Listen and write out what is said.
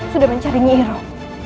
sudah mencari nyi iroh